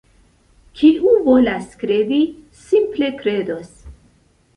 Kiu volas kredi, simple kredos.